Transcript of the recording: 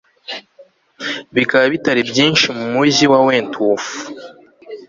Bikaba bitari byinshi mumujyi wa Wentworth